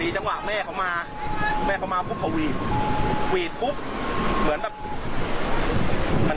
จังหวะแม่เขามาวีดวีดปุ๊บเหมือนอย่างย้อนตาย